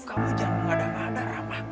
kamu jangan mengadang adang ramak